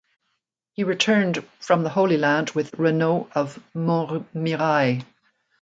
He returned from the Holy Land with Renaud of Montmirail.